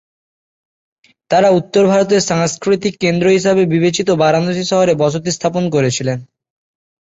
তাঁরা উত্তর ভারতের সাংস্কৃতিক কেন্দ্র হিসাবে বিবেচিত বারাণসী শহরে বসতি স্থাপন করেছিলেন।